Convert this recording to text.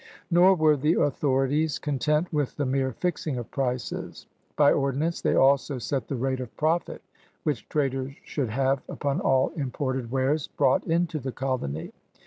Nor were the authorities content with the mere fixing of prices. By ordinance they also set the rate of profit which traders should have upon all imported wares brought into the colony.